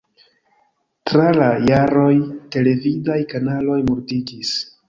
Tra la jaroj, televidaj kanaloj multiĝis.